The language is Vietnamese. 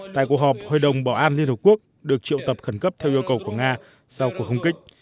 tại cuộc họp hội đồng bảo an liên hợp quốc được triệu tập khẩn cấp theo yêu cầu của nga sau cuộc không kích